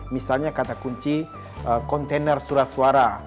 misalnya kata kunci kontainer surat suara